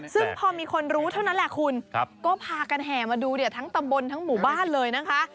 ซึ่งพอมีคนรู้เท่านั้นแหละคุณก็พากันแห่มาดูเนี่ยทั้งตำบลทั้งหมู่บ้านเลยนะคะ